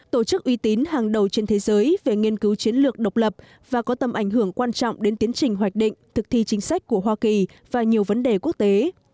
tổ chức uy tín hàng đầu trên thế giới về nghiên cứu chiến lược độc lập và có tầm ảnh hưởng quan trọng đến tiến trình hoạch định thực thi chính sách của hoa kỳ và nhiều vấn đề quốc tế